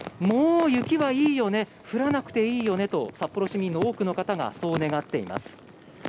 もう雪はいいよね降らなくていいよねと札幌市民の多くの方がそう願っています。